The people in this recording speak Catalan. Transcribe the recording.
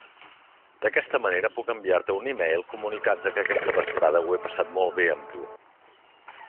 D'aquesta manera puc enviar-te un e-mail comunicant-te que aquesta vesprada ho he passat molt bé amb tu.